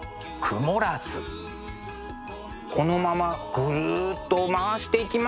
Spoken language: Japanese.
このままぐるっと回していきますと。